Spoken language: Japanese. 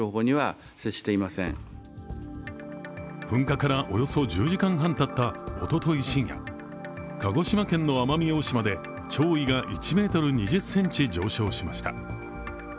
噴火からおよそ１０時間半たったおととい深夜、鹿児島県の奄美大島で潮位が１ｍ２０ｃｍ上昇しました。